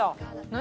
何？